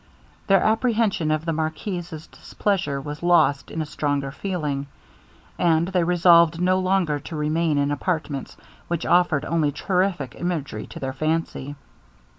Their apprehension of the marquis's displeasure was lost in a stronger feeling, and they resolved no longer to remain in apartments which offered only terrific images to their fancy.